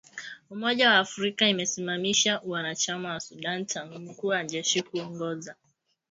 Umoja wa Afrika imesimamisha Uanachama wa Sudan tangu mkuu wa jeshi kuongoza